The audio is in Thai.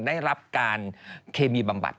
ได้รับการเคมีบำบัด